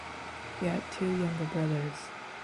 He had two younger brothers.